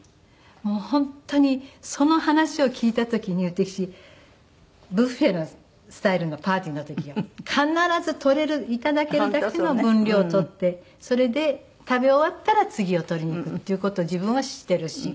もう本当にその話を聞いた時に私ビュッフェのスタイルのパーティーの時は必ず取れるいただけるだけの分量を取ってそれで食べ終わったら次を取りに行くっていう事を自分はしてるし。